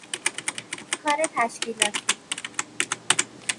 کار تشکیلاتی